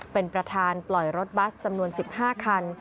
เป็นประธานปล่อยรถบัสจำนวน๑๕คัน